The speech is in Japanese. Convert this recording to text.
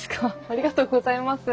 ありがとうございます。